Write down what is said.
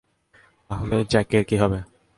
তাহলে জ্যাকের কী হবে?